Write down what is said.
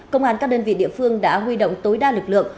công an các đơn vị địa phương đã huy động tối đa lực lượng